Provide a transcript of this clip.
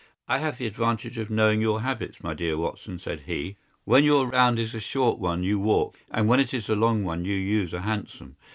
"I have the advantage of knowing your habits, my dear Watson," said he. "When your round is a short one you walk, and when it is a long one you use a hansom.